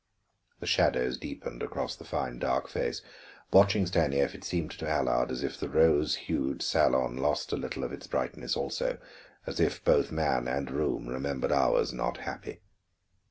The shadows deepened across the fine dark face. Watching Stanief, it seemed to Allard as if the rose hued salon lost a little of its brightness also, as if both man and room remembered hours not happy.